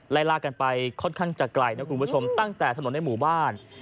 ลากกันไปค่อนข้างจะไกลนะคุณผู้ชมตั้งแต่ถนนในหมู่บ้าน